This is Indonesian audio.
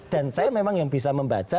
dan saya memang yang bisa membaca